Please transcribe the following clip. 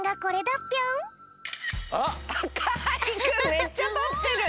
めっちゃとってるね。